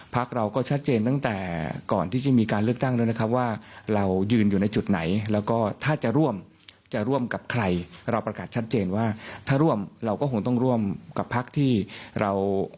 เป็นนายกรัฐมนตรีค่ะ